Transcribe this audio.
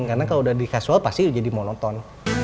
karena kalau udah di casual pasti jadi monoton